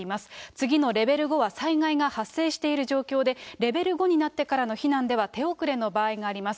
次のレベル５は災害が発生している状況で、レベル５になってからの避難では手遅れの場合があります。